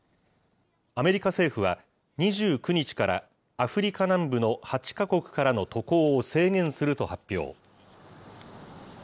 アメリカ政府は、２９日からアフリカ南部の８か国からの渡航を制限すると発表。